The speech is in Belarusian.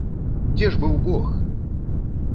Дзе ж быў бог!